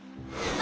あ。